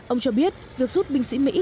ông cho biết việc rút binh sĩ mỹ